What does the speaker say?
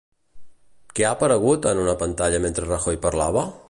Què ha aparegut en una pantalla mentre Rajoy parlava?